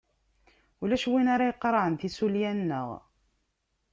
Ulac win ara iqarɛen tasulya-nneɣ.